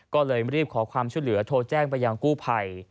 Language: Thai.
ก็เลยรีบขอความช่วยเหลือโทรแจ้งไปยังกู้ภัย